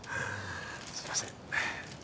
すいません。